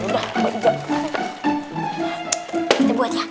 yaudah kita buat aja